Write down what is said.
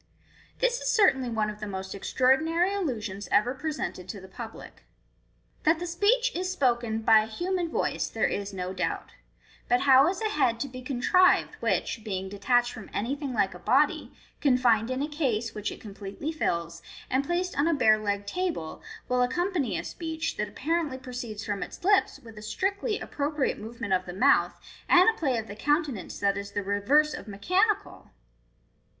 " This is certainly one of the most extraordinary illusions ever presented to the public. That the speech is spoken by a human voice there is no doubt • but how is a head to be contrived which, being detached from anything like a body, confined in a case, which it completely fills, and placed on a bare legged table, will accompany a speech, that apparently proceeds from its lips, with a strictly appro priate movement of the mouth, and a play of the countenance that is the reverse of mechanical?